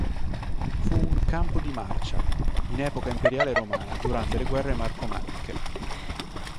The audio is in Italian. Fu un "campo di marcia" in epoca imperiale romana durante le guerre marcomanniche.